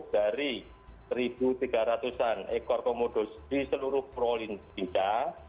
dari seribu tiga ratus an ekor komodo di seluruh prolin rinca